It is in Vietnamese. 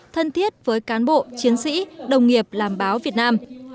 thân thiết với cán bộ chiến sĩ đồng nghiệp làm báo việt nam